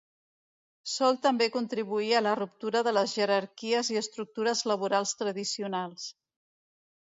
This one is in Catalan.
Sol també contribuir a la ruptura de les jerarquies i estructures laborals tradicionals.